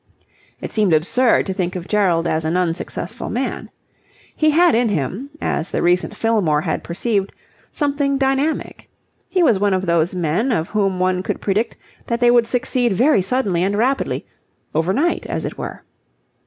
It seemed absurd to think of Gerald as an unsuccessful man. He had in him, as the recent Fillmore had perceived, something dynamic. He was one of those men of whom one could predict that they would succeed very suddenly and rapidly overnight, as it were.